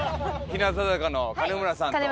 日向坂の金村さんと。